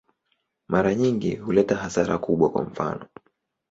Mara nyingi huleta hasara kubwa, kwa mfano.